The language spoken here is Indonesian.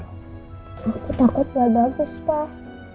takut gak bagus pak